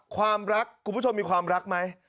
ความรักคุณผู้ชมมีความรักไหม